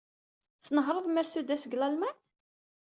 Tnehṛeḍ Mercedes deg Lalman?